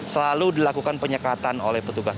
selalu dilakukan penyekatan oleh petugas